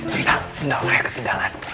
sendal sendal saya ketidangan